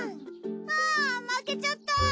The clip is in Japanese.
あ負けちゃった！